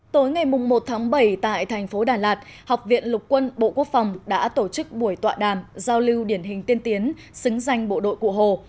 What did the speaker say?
tối ngày một tháng bảy tại thành phố đà lạt học viện lục quân bộ quốc phòng đã tổ chức buổi tọa đàm giao lưu điển hình tiên tiến xứng danh bộ đội cụ hồ